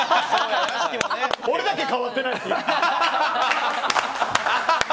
俺だけ変わってない。